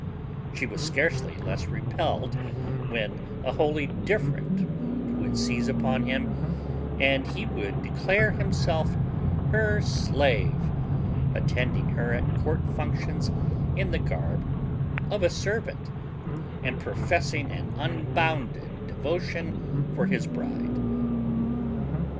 She was scarcely less repelled when a wholly different mood would seize upon him and he would declare himself her slave, attending her at court functions in the garb of a servant and professing an unbounded devotion for his bride.